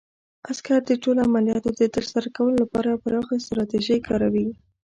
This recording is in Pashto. عسکر د ټولو عملیاتو د ترسره کولو لپاره پراخې ستراتیژۍ کاروي.